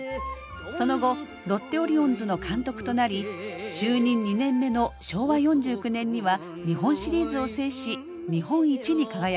その後ロッテオリオンズの監督となり就任２年目の昭和４９年には日本シリーズを制し日本一に輝きます。